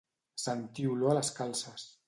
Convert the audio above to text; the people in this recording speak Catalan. Sentir olor a les calces.